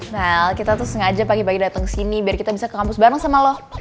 mel kita tuh sengaja pagi pagi dateng kesini biar kita bisa ke kampus bareng sama lo